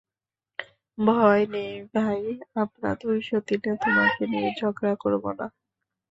ভয় নেই ভাই, আমরা দুই সতীনে তোমাকে নিয়ে ঝগড়া করব না।